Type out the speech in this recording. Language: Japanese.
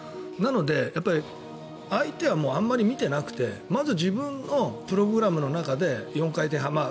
なので、相手はあまり見ていなくてまず自分のプログラムの中で４回転半